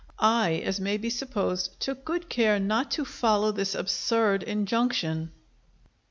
I, as may be supposed, took good care not to follow this absurd injunction.